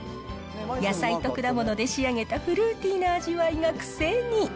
野菜と果物で仕上げたフルーティーな味わいが癖に。